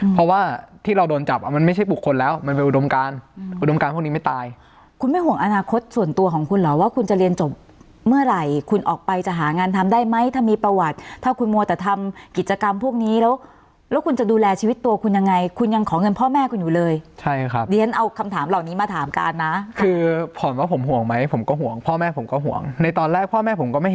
เพราะว่าประเทศนี้มันก็แย่เกินกว่าที่เราจะอยู่เฉยแล้วครับ